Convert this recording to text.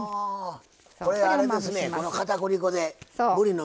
これあれですね